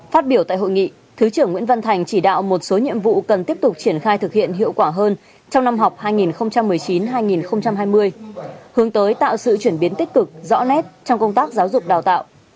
phát biểu tại hội nghị thứ trưởng nguyễn văn thành chỉ đạo một số nhiệm vụ cần tiếp tục triển khai thực hiện hiệu quả hơn trong năm học hai nghìn một mươi chín hai nghìn hai mươi hướng tới tạo sự chuyển biến tích cực rõ nét trong công tác giáo dục đào tạo